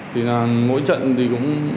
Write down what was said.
thì là mỗi trận thì cũng